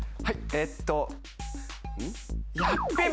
えっと。